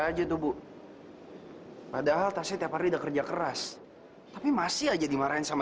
lihat aja tubuh padahal kasih tepat tidak kerja keras tapi masih aja dimarahin sama